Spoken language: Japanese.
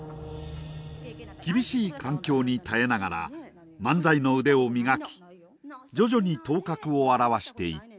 厳しい環境に耐えながら漫才の腕を磨き徐々に頭角を現していった。